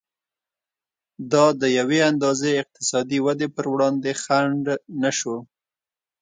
دا د یوې اندازې اقتصادي ودې پر وړاندې خنډ نه شو.